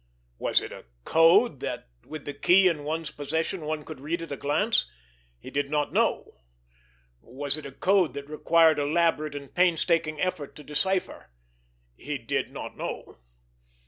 Was it a code that, with the key in one's possession, one could read at a glance? He did not know. Was it a code that required elaborate and painstaking effort to decipher? He did not know.